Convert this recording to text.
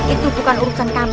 itu bukan urusan kami